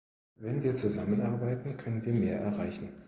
Wenn wir zusammenarbeiten, können wir mehr erreichen.